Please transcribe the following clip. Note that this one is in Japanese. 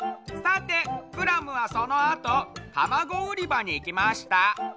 さてクラムはそのあとたまごうりばにいきました。